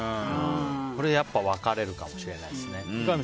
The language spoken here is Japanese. これ、やっぱ分かれるかもしれないですね。